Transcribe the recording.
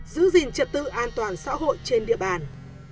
giữ gìn trật tự an toàn xã hội trên địa bàn